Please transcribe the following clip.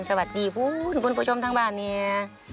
สวัสดีคุณผู้ชมทางบ้านเนี่ย